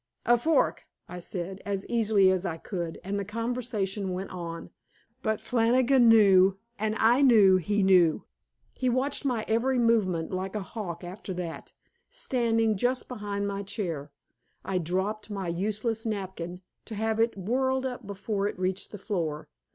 "A fork," I said, as easily as I could, and the conversation went on. But Flannigan knew, and I knew he knew. He watched my every movement like a hawk after that, standing just behind my chair. I dropped my useless napkin, to have it whirled up before it reached the floor.